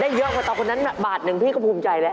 เยอะกว่าเตาคนนั้นบาทหนึ่งพี่ก็ภูมิใจแล้ว